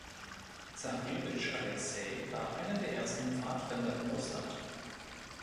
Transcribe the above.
Zarewitsch Alexei war einer der ersten Pfadfinder in Russland.